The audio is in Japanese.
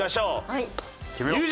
はい。